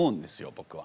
僕は。